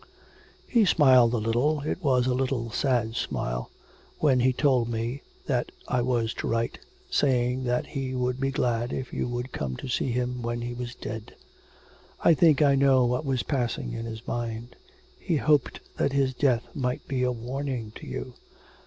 'He smiled a little, it was a little sad smile, when he told me that I was to write, saying that he would be glad if you would come to see him when he was dead. I think I know what was passing in his mind he hoped that his death might be a warning to you.